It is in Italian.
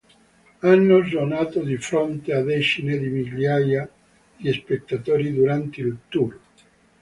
Hanno suonato di fronte a decine di migliaia di spettatori durante il tour.